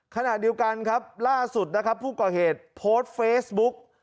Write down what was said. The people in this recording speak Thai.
ขณะเดียวกันครับล่าสุดนะครับผู้ก่อเหตุโพสต์เฟซบุ๊ก